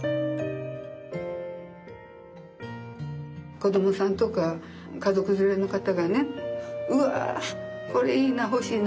子どもさんとか家族連れの方がね「うわこれいいな欲しいな」